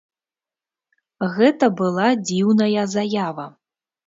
Гэта была дзіўная заява.